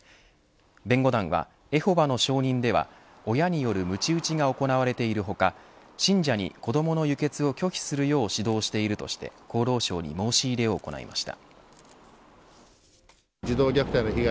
弁護団はエホバの証人では親によるむち打ちが行われている他信者に子どもの輸血を拒否するよう指導しているとして厚労省に申し入れを行いました。